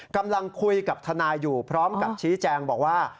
กำลังคุยกับทนายอยู่พร้อมกับชี้แจงบอกว่า